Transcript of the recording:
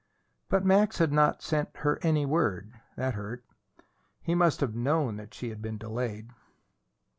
But Max had not sent her any word. That hurt. He must have known that she had been delayed.